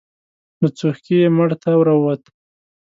له څوښکي يې مړ تاو راووت.